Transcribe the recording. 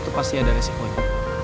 itu pasti ada resikonya